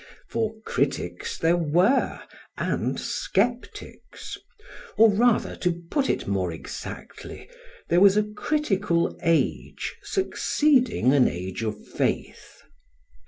For critics there were, and sceptics, or rather, to put it more exactly, there was a critical age succeeding an age of faith.